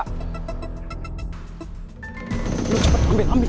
tapi saya masih tak bisa menjodohkan boy